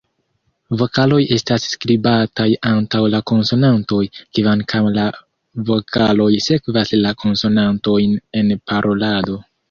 Vokaloj estas skribataj antaŭ la konsonantoj, kvankam la vokaloj sekvas la konsonantojn en parolado.